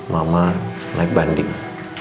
mama naik banding